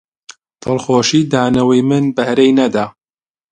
دڵخۆشی دانەوەی من بەهرەی نەدا